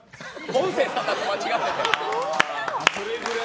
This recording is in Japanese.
音声さんだと間違われて。